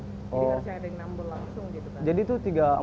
jadi harusnya ada yang nambul langsung gitu kan